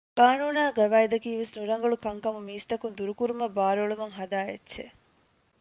ޤާނޫނާއި ޤަވާއިދަކީ ވެސް ނުރަނގަޅު ކަންކަމުން މީސްތަކުން ދުރުކުރުމަށް ބާރުއެޅުމަށް ހަދާ އެއްޗެއް